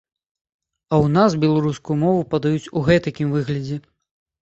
А ў нас беларускую мову падаюць у гэтакім выглядзе.